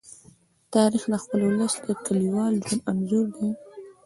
تاریخ د خپل ولس د کلیوال ژوند انځور دی.